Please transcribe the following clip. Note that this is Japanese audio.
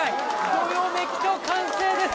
どよめきと歓声です。